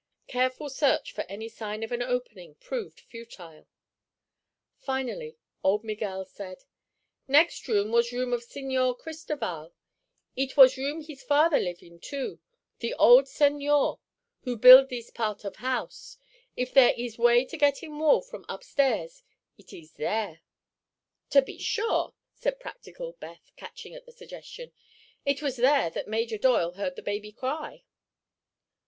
Careful search for any sign of an opening proved futile. Finally old Miguel said: "Next room was room of Señor Cristoval. Eet was room hees father live in, too; the old señor who build thees part of house. If there ees way to get in wall, from upstairs, it ees there." "To be sure," said practical Beth, catching at the suggestion; "it was there that Major Doyle heard the baby cry."